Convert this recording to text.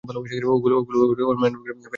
ওগুলো ওর মায়ের না দিলে বেচারা মন খারাপ করবে!